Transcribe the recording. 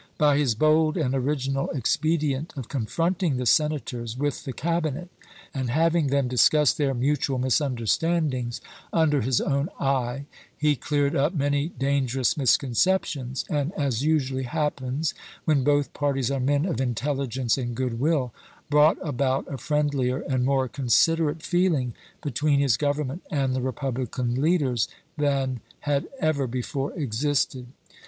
By his bold and original expedient of confronting the Senators with the Cabinet, and having them discuss their mutual misunderstandings under his own eye, he cleared up many dangerous misconceptions, and, as usually happens when both parties are men of in telligence and good will, brought about a friendlier and more considerate feeling between his Govern ment and the Republican leaders than had ever before existed.